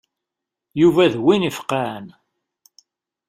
Yuba d win ifeqqɛen.